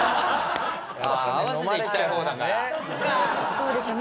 どうでしょう？